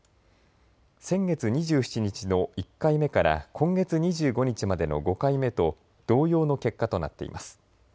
先月２７日の１回目から今月２５日までの５回目と同様の結果となっています。